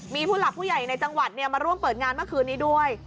มีผู้หลักผู้ใหญ่ในจังหวัดมาร่วมเปิดงานเมื่อคืนนี้ด้วย